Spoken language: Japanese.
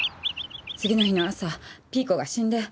次の日の朝ピーコが死んで。